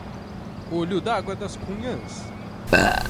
Olho d'Água das Cunhãs